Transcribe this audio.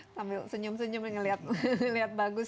sambil senyum senyum melihat bagus